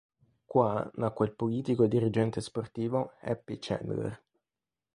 Qua nacque il politico e dirigente sportivo Happy Chandler.